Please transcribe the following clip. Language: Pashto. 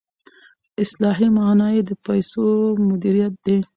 اصطلاحي معنی یې د پیسو مدیریت دی.